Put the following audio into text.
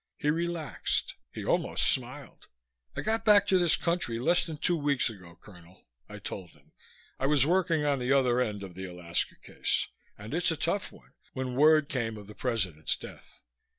He relaxed. He almost smiled. "I got back to this country less than two weeks ago, Colonel," I told him. "I was working on the other end of the Alaska case and it's a tough one when word came of the President's death.